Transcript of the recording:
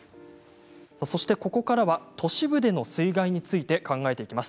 ここからは都市部での水害について考えます。